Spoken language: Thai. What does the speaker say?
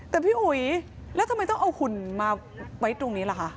แต่พี่อุ๋ยแล้วทำไมต้องเอาหุ่นมาไว้ตรงนี้ล่ะคะ